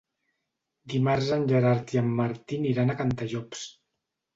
Dimarts en Gerard i en Martí aniran a Cantallops.